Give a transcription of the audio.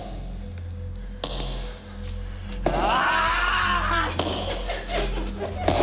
・あ！